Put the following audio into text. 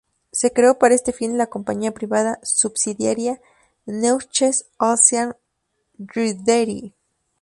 Se creó para este fin la compañía privada subsidiaria "Deutsche Ozean-Reederei".